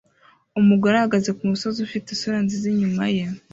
Umugore ahagaze kumusozi ufite isura nziza inyuma ye